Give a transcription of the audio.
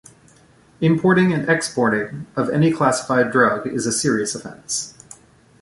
Importing and exporting of any classified drug is a serious offence.